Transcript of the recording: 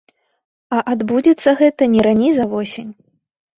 А адбудзецца гэта не раней за восень.